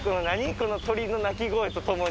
この鳥の鳴き声とともに。